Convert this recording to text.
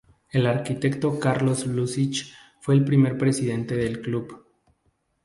El arquitecto Carlos Lussich fue el primer presidente del club.